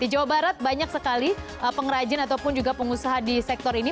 di jawa barat banyak sekali pengrajin ataupun juga pengusaha di sektor ini